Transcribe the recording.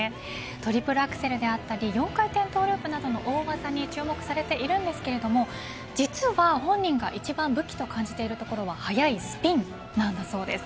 トリプルアクセルであったり４回転トゥループなどの大技に注目されているんですけれども実は本人が一番武器と感じているところは速いスピンなんだそうです。